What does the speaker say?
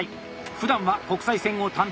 ふだんは国際線を担当。